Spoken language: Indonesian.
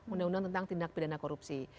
undang undang tentang tindak pidana korupsi